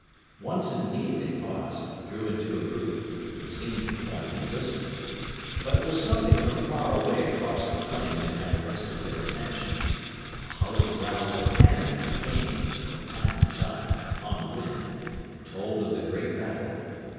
Once, indeed, they paused, drew into a group, and seemed to point and listen. But it was something from far away across the plain that had arrested their attention a hollow growl of cannon that came, from time to time, upon the wind, and told of the great battle.